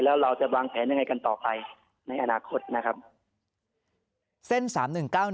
แล้วเราจะวางแผนยังไงกันต่อไปในอนาคตนะครับ